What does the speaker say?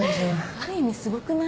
ある意味すごくない？